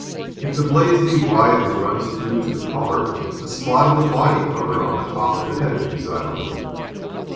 If the blaze be wide and runs through to the collar, a spot of the body colour on the top of the head is desirable.